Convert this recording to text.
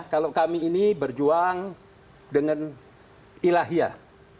kalau kami ini berjuang dengan ilahiyah